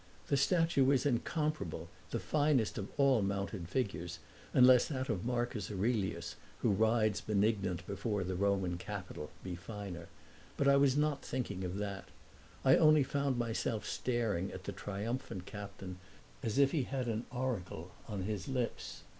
The statue is incomparable, the finest of all mounted figures, unless that of Marcus Aurelius, who rides benignant before the Roman Capitol, be finer: but I was not thinking of that; I only found myself staring at the triumphant captain as if he had an oracle on his lips.